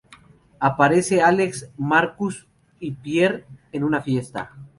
Aparecen Alex, Marcus y Pierre en una fiesta.